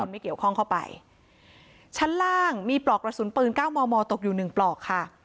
ไม่เกี่ยวข้องเข้าไปชั้นล่างมีปลอกละสุนปืน๙มมตกอยู่๑ปลอกค่ะ